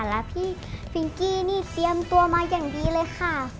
และพี่ฟิงกี้นี่เตรียมตัวมาอย่างดีเลยค่ะ